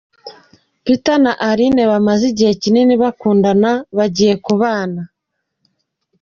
Peter na Aline bamaze igihe kinini bakundana, bagiye kubana.